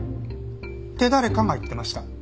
って誰かが言ってました。